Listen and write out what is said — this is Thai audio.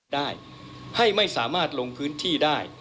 ได้ให้ไม่สามารถลงพื้นที่ได้